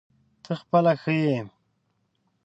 ته خپله ښه یې ؟